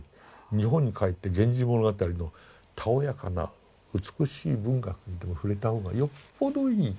日本に帰って「源氏物語」のたおやかな美しい文学にでも触れたほうがよっぽどいいと。